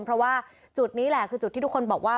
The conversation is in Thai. เพราะว่าจุดนี้แหละคือจุดที่ทุกคนบอกว่า